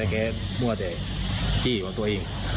แกมั่วแต่จี้ของตัวเอง